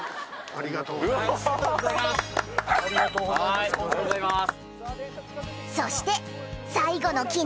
ありがとうございます！